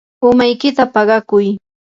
umaykita paqakuy.